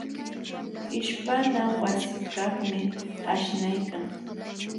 Ishpana wasikaqmi aśhnaykan.